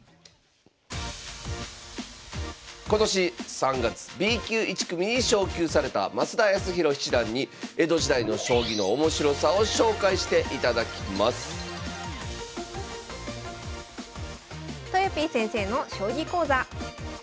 今年３月Ｂ級１組に昇級された増田康宏七段に江戸時代の将棋の面白さを紹介していただきますとよぴー先生の将棋講座。